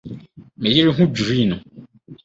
Me yere ho dwiriw no.